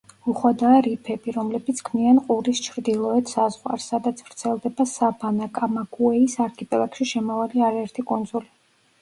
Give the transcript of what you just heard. უხვადაა რიფები, რომლებიც ქმნიან ყურის ჩრდილოეთ საზღვარს, სადაც ვრცელდება საბანა-კამაგუეის არქიპელაგში შემავალი არაერთი კუნძული.